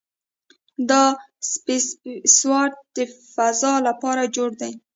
دا سپېس سوټ د فضاء لپاره جوړ دی.